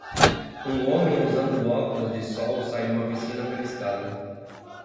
Um homem usando óculos de sol sai de uma piscina pela escada.